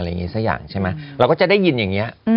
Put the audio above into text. เราจะจะได้ยินอย่างเนี้ย